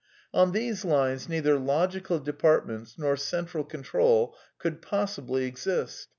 On these lines, neither logical departments nor central control could possibly exist.